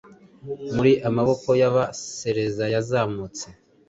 muri Amaboko yabasareyazamutse